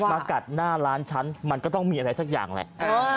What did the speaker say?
มากัดหน้าร้านฉันมันก็ต้องมีอะไรสักอย่างแหละ